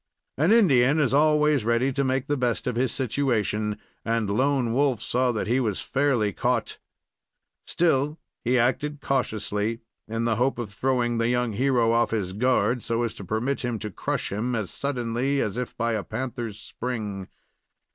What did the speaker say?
An Indian is always ready to make the best of his situation, and Lone Wolf saw that he was fairly caught. Still, he acted cautiously, in the hope of throwing the young hero off his guard, so as to permit him to crush him as suddenly as if by a panther's spring.